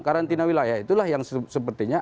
karantina wilayah itulah yang sepertinya